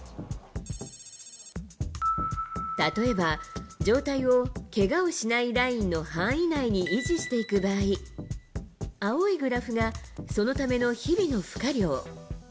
例えば、状態をけがをしないラインの範囲内に維持していく場合、青いグラフがそのための日々の負荷量。